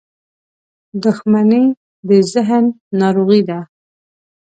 • دښمني د ذهن ناروغي ده.